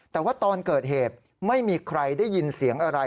แต่ว่าตอนเกิดเหตุไม่มีใครได้ยินเสียงอะไร